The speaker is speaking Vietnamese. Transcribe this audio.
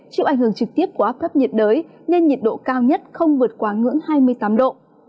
chịu ảnh hưởng trực tiếp của áp thấp nhiệt đới nên nhiệt độ cao nhất không vượt quá ngưỡng hai mươi tám độ